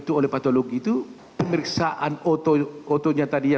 technological gapeth dan sebagainya